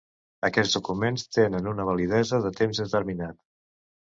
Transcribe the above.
Aquests documents tenen una validesa de temps determinat.